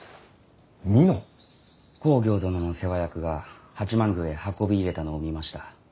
公暁殿の世話役が八幡宮へ運び入れたのを見ました。